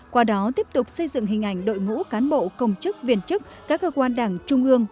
qua đó tiếp tục xây dựng hình ảnh đội ngũ cán bộ công chức viên chức các cơ quan đảng trung ương